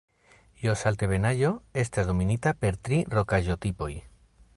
Jos-Altebenaĵo estas dominita per tri rokaĵo-tipoj.